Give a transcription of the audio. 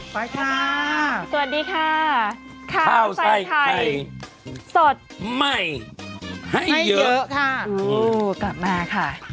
ไปค่ะสวัสดีค่ะข้าวใส่ไข่สดใหม่ให้เยอะค่ะโอ้กลับมาค่ะ